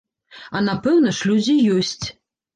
А напэўна ж, людзі ёсць.